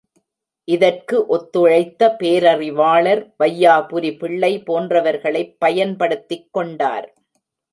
இதற்கு ஒத்துழைத்த பேரறிவாளர் வையாபுரி பிள்ளை போன்றவர்களைப் பயன்படுத்திக் கொண்டார்.